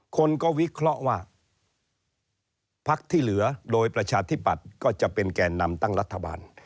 คนก็วิเคราะห์ว่าพักที่เหลือโดยประชาธิปัตย์ก็จะเป็นแก่นำตั้งรัฐบาล